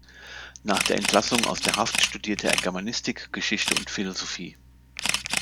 Nach der Entlassung aus der Haft studierte er Germanistik, Geschichte und Philosophie.